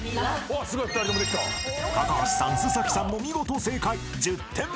［高橋さん須さんも見事正解１０点満点］